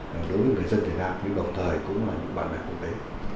đối với người dân việt nam nhưng đồng thời cũng là những bạn bè quốc tế